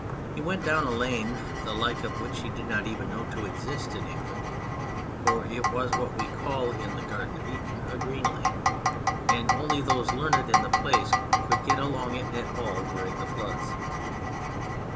He went down a lane the like of which he did not even know to exist in England (for it was what we call in the Garden of Eden a " green lane," and only those learned in the place could get along it at all during the floods).